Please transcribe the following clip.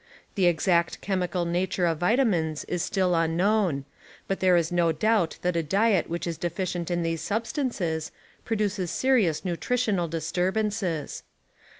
* The exact chemical nature of vitamines is still un known, but there is no doubt that a diet which is deficient in these substances produces serious nutritional disturbances.